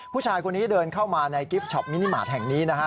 ผู้ชายคนนี้เดินเข้ามาในกิฟต์ช็อปมินิมาตรแห่งนี้นะฮะ